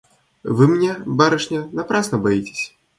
Вы меня, барышня, напрасно боитесь.